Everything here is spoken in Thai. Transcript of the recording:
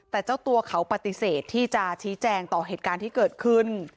แต่เจ้าตัวเขาปฏิเสธที่จะชี้แจงต่อเหตุการณ์ที่เกิดขึ้น